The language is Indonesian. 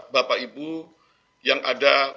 bapak ibu yang ada